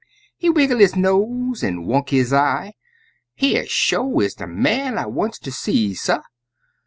He wiggle his nose, an' wunk his eye "Here sho is de man I wants ter see, suh!